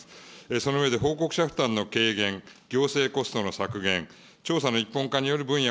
その上で報告の軽減、行政コストの削減、調査の一本化による分野